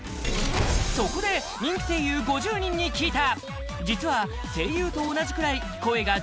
そこで人気声優５０人に聞いた！